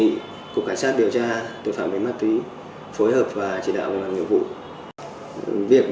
khi bị bắt bất ngờ bản thân phúc đã trở lại không kịp